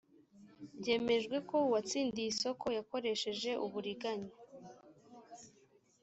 byemejwe ko uwatsindiye isoko yakoresheje uburiganya